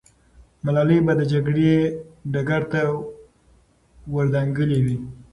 ملالۍ به د جګړې ډګر ته ور دانګلې وي.